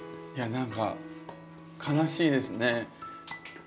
いや何か悲しいですね。